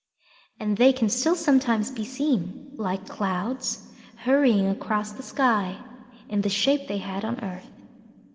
And they can still sometimes be seen, like clouds hurrying across the sky, in the shape they had on earth.